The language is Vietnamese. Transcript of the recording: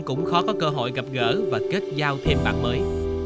cũng khó có cơ hội gặp gỡ và kết giao thêm bạn mới